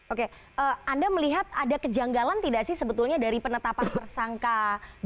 oke anda melihat ada kejanggalan tidak sih sebetulnya dari penetapan tersangka b